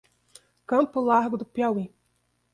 Campo Largo do Piauí